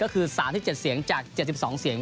ก็คือ๓๗เสียงจาก๗๒เสียง